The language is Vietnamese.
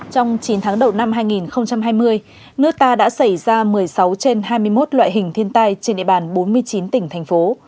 trong chín tháng đầu năm hai nghìn hai mươi nước ta đã xảy ra một mươi sáu trên hai mươi một loại hình thiên tai trên địa bàn bốn mươi chín tỉnh thành phố